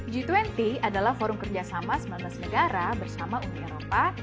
g dua puluh adalah forum kerjasama sembilan belas negara bersama uni eropa